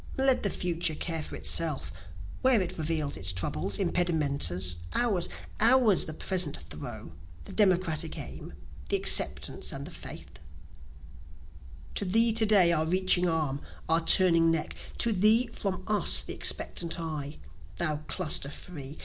(Let the future care for itself, where it reveals its troubles, impedimentas, Ours, ours the present throe, the democratic aim, the acceptance and the faith;) To thee to day our reaching arm, our turning neck to thee from us the expectant eye, Thou cluster free!